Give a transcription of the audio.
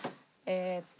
えっと